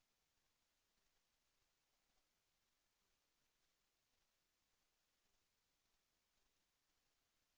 แสวได้ไงของเราก็เชียนนักอยู่ค่ะเป็นผู้ร่วมงานที่ดีมาก